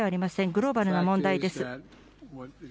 グローバルな問題です。